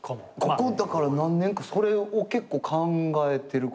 ここだから何年かそれを結構考えてるかな。